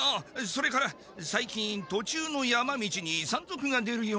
それからさいきんとちゅうの山道に山賊が出るようなんだが。